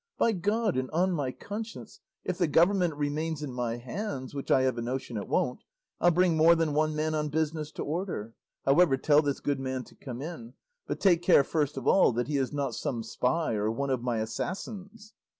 By God and on my conscience, if the government remains in my hands (which I have a notion it won't), I'll bring more than one man on business to order. However, tell this good man to come in; but take care first of all that he is not some spy or one of my assassins."